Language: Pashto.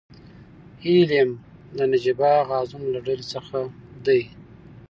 هیلیم د نجیبه غازونو له ډلې څخه دی.